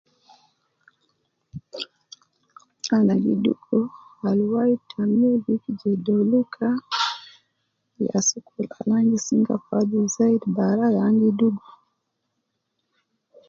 Ana gi dugu alwai ta nubi je doluka, ya sokol al ana gi singa fi aju zaidi bara ya ana gi dugu